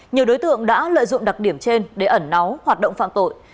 nhiều đối tượng đã lợi dụng đặc điểm trên để ẩn náu hoạt động phạm tội